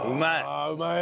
ああうまい！